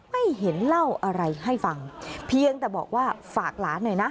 ไม่เห็นเล่าอะไรให้ฟังเพียงแต่บอกว่าฝากหลานหน่อยนะ